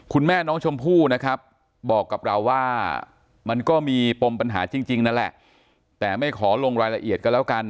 คุณแม่น้องชมพู่นะครับบอกกับเราว่ามันก็มีปมปัญหาจริงนั่นแหละแต่ไม่ขอลงรายละเอียดก็แล้วกัน